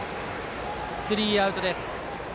スリーアウトです。